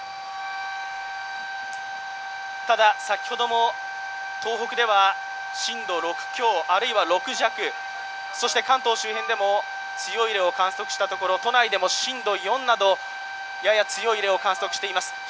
ただ、先ほども東北では震度６強、あるいは６弱、そして関東周辺でも強い揺れを観測したところ都内でも震度４などやや強い揺れを観測しています。